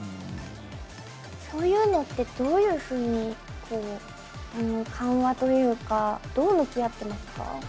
そういうのってどういうふうに緩和というかどう向き合ってますか？